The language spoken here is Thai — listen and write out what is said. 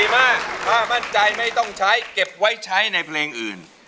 มากถ้ามั่นใจไม่ต้องใช้เก็บไว้ใช้ในเพลงอื่น